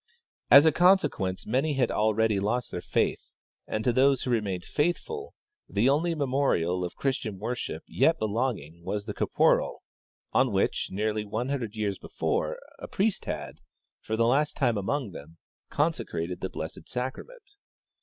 As a consequence many had ah eady lost their faith, and to those who remained faithful the only memorial of Christian worship 3^et belonging was the coporal on which, nearly one hun dred years before, a priest had, for the last time among them, consecrated the blessed sacrament.